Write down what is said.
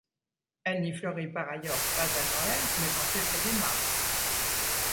Elle n'y fleurit par ailleurs pas à Noël, mais en février-mars.